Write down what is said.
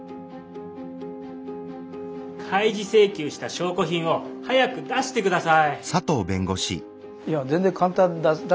開示請求した証拠品を早く出して下さい。